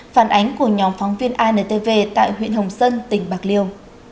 phản ánh của nhóm phóng viên antv tại huyện hồng dân tỉnh bạc liêu